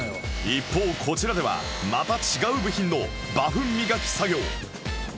一方こちらではまた違う部品のバフ磨き作業